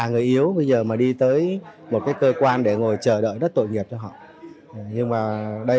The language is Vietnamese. người yếu bây giờ mà đi tới một cái cơ quan để ngồi chờ đợi đất tội nghiệp cho họ nhưng mà đây